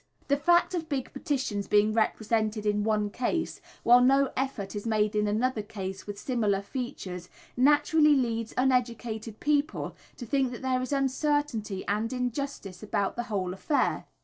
The fact of big petitions being presented in one case, while no effort is made in another case with similar features, naturally leads uneducated people to think that there is uncertainty and injustice about the whole affair.